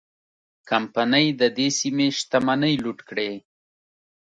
کمپنۍ د دې سیمې شتمنۍ لوټ کړې.